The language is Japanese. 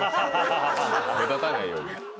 目立たないように。